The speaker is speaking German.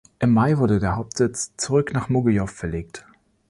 Im Mai wurde der Hauptsitz zurück nach Mogiljow verlegt.